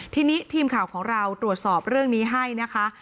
ทีนี้ทีมข่าวของเราตรวจสอบเรื่องนี้ให้นะคะ